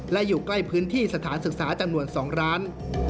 และอยู่ใกล้พื้นที่สถานศึกษาจำนวน๒ร้าน